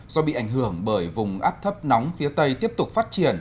do bị ảnh hưởng bởi vùng áp thấp nóng phía tây tiếp tục phát triển